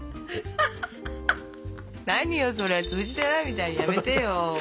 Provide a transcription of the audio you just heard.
何よそれ通じてないみたいのやめてよ。